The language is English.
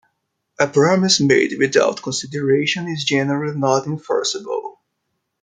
A promise made without consideration is generally not enforceable.